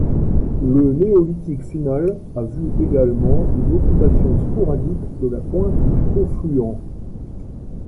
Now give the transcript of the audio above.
Le Néolithique final a vu également une occupation sporadique de la pointe du confluent.